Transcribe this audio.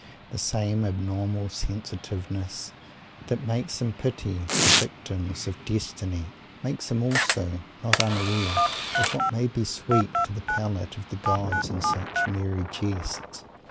The same abnormal sensitiveness that makes him pity the victims of destiny makes him also not unaware of what may be sweet to the palate of the gods in such "merry jests."